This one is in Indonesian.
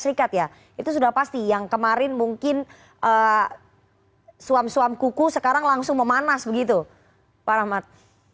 serikat ya itu sudah pasti yang kemarin mungkin suam suam kuku sekarang langsung memanas begitu pak rahmat